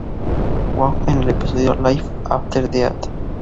Wong en el episodio "Life after Death".